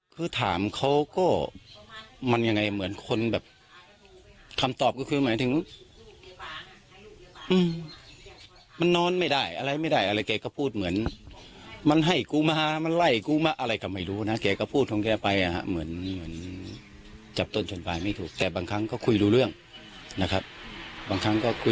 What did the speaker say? คือถามเขาก็มันยังไงเหมือนคนแบบคำตอบก็คือหมายถึง